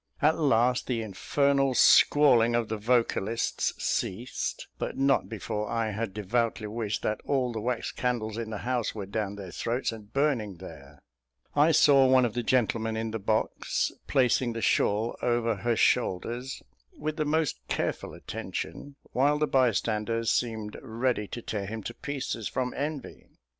At last, the infernal squalling of the vocalists ceased, but not before I had devoutly wished that all the wax candles in the house were down their throats and burning there. I saw one of the gentlemen in the box placing the shawl over her shoulders, with the most careful attention, while the bystanders seemed ready to tear him in pieces, from envy.